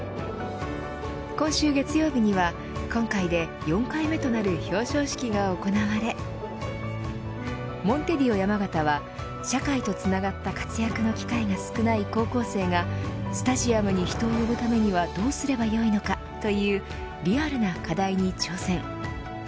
今週月曜日には今回で４回目となる表彰式が行われモンテディオ山形は、社会とつながった活躍の機会が少ない高校生がスタジアムに人を呼ぶためにはどうすればよいのか、というリアルな課題に挑戦。